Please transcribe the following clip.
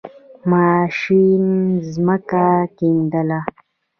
ماشین زَمکه کیندله.